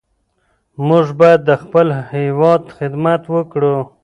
موږ باید د خپل هېواد خدمت وکړو.